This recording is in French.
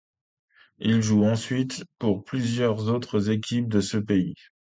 Il joue ensuite pour plusieurs autres équipes de ce pays.